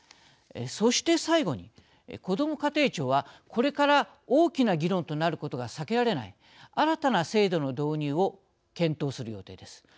そして、最後にこども家庭庁はこれから大きな議論となることが避けられない新たな制度の導入を検討する予定です。